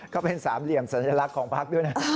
เขาเป็น๓เหลี่ยมสัญลักษณ์ของปั๊ก